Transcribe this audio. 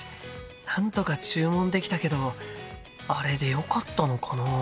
なんとか注文できたけどあれでよかったのかな？